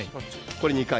これを２回。